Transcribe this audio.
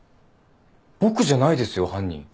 僕じゃないですよ犯人。